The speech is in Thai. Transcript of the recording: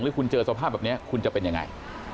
คุณเจอสภาพแบบนี้คุณจะเป็นยังไง